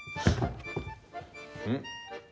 うん？